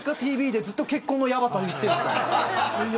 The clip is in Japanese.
ＴＶでずっと結婚のやばさを言っているんですから。